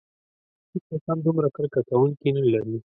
هیڅوک هم دومره کرکه کوونکي نه لري.